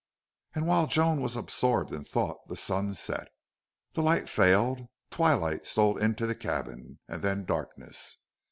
And while Joan was absorbed in thought the sun set, the light failed, twilight stole into the cabin, and then darkness.